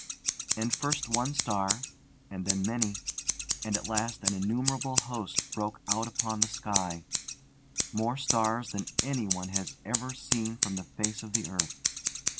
And first one star, and then many, and at last an innumerable host broke out upon the sky: more stars than anyone has ever seen from the face of the earth.